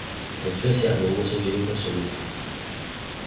En Suecia, no hubo servidumbre absoluta.